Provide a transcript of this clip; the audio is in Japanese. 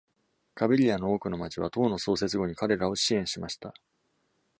Kabylia の多くの町は、党の創設後に彼らを支援しました。